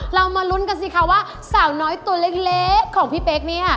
เรามาลุ้นกันสิคะว่าสาวน้อยตัวเล็กของพี่เป๊กเนี่ย